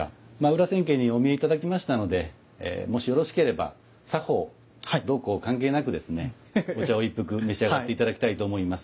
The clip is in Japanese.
裏千家にお見え頂きましたのでもしよろしければ作法どうこう関係なくですねお茶を一服召し上がって頂きたいと思います。